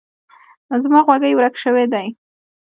زما غوږۍ ورک شوی ده.